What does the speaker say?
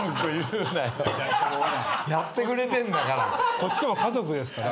こっちも家族ですから。